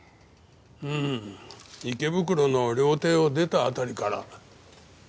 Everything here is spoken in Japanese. うーん池袋の料亭を出た辺りから。